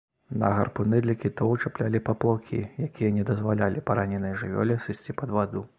На гарпуны для кітоў чаплялі паплаўкі, якія не дазвалялі параненай жывёле сысці пад ваду.